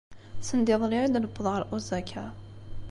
Send iḍelli i d-newweḍ ɣer Osaka.